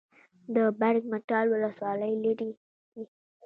د برګ مټال ولسوالۍ لیرې ده